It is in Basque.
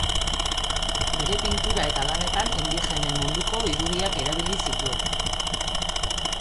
Bere pintura eta lanetan indigenen munduko irudiak erabili zituen.